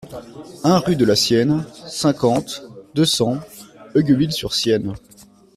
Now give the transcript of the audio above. un rue de la Sienne, cinquante, deux cents, Heugueville-sur-Sienne